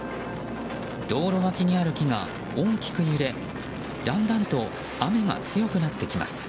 道路脇にある木が大きく揺れだんだんと雨が強くなってきます。